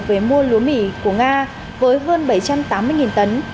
về mua lúa mì của nga với hơn bảy trăm tám mươi tấn